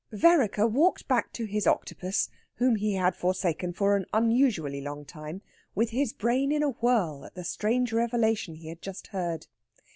Vereker walked back to his Octopus, whom he had forsaken for an unusually long time, with his brain in a whirl at the strange revelation he had just heard.